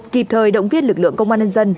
kịp thời động viên lực lượng công an nhân dân